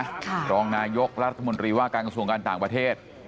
รองนายกรัฐมนตรีว่าการกระทรวงการต่างประเทศ